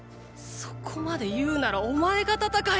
そこまで言うならお前が戦えよッ！